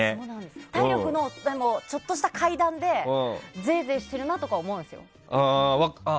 体力の衰えもちょっとした階段でゼーゼーしてるなとかは思うんですよ。